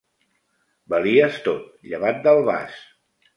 Valies tot, llevat del vas.